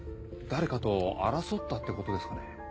誰かと争ったってことですかね。